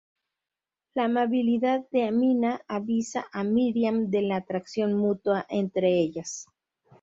La amabilidad de Amina avisa a Miriam de la atracción mutua entre ellas.